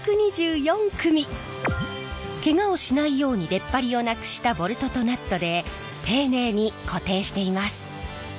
ケガをしないように出っ張りをなくしたボルトとナットで丁寧に固定しています。